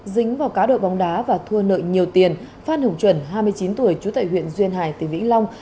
dính vào cá đội bóng đá và thua nợ nhiều tiền phan hồng chuẩn hai mươi chín tuổi trú tại huyện duyên hải tỉnh vĩnh long